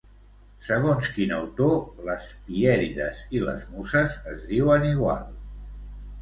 Segons quin autor, les Pièrides i les Muses es diuen igual?